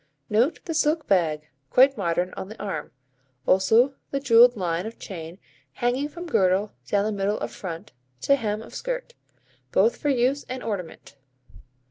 Note the silk bag, quite modern, on the arm; also the jewelled line of chain hanging from girdle down the middle of front, to hem of skirt, both for use and ornament.